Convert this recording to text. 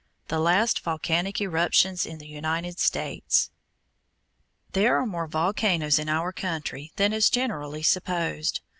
THE LAST VOLCANIC ERUPTIONS IN THE UNITED STATES There are more volcanoes in our country than is generally supposed.